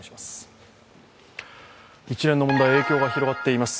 一連の問題、影響が広がっています。